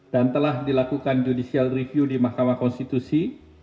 dan telah dilakukan judicial review di mahkamah konstitusi